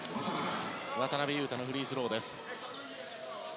渡邊雄太のフリースロー。